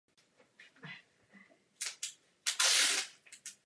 Nesmíme si dovolit nechat se těmito reakcemi zastrašit.